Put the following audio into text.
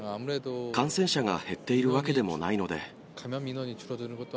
感染者が減っているわけでもないので。